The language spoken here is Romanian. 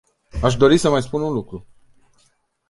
Aș dori să mai spun un lucru.